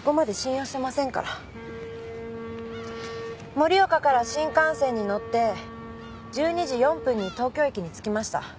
盛岡から新幹線に乗って１２時４分に東京駅に着きました。